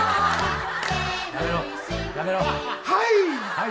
はい！